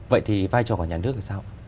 vậy thì vai trò của nhà nước là sao